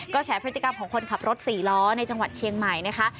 แฉพฤติกรรมของคนขับรถ๔ล้อในจังหวัดเชียงใหม่นะคะ